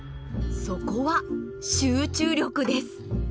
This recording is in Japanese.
そこは集中力です。